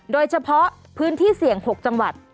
โดยเฉพาะพื้นที่เสี่ยง๖จังหวัด